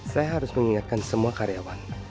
saya harus mengingatkan semua karyawan